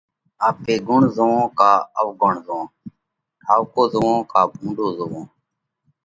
آپي ڳُڻ زوئونه ڪا اوَڳڻ زوئونه۔ ٺائُوڪو زوئونه ڪا ڀُونڏو زوئونه۔